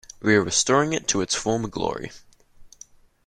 We are restoring it to its former glory.